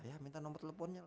ya minta nomor teleponnya